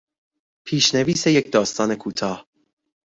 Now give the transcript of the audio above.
پیشنویس یک داستان کوتاه